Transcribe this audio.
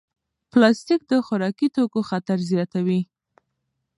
پلاستیک د خوراکي توکو خطر زیاتوي.